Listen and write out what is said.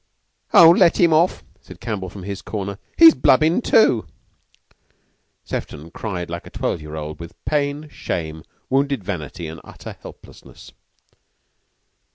"Oh, let him off," said Campbell from his corner; "he's blubbing, too." Sefton cried like a twelve year old with pain, shame, wounded vanity, and utter helplessness.